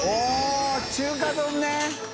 舛中華丼ね。